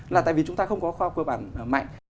là tại vì chúng ta không có khoa học cơ bản mạnh